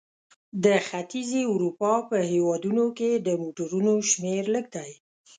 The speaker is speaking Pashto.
د ختیځې اروپا په هېوادونو کې د موټرونو شمیر لږ دی.